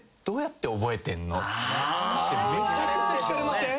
めちゃくちゃ聞かれません？